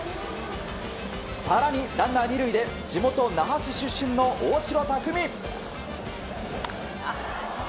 更に、ランナー２塁で地元・那覇市出身の大城卓三。